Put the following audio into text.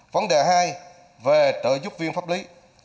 vấn đề hai về trợ giúp viên pháp lý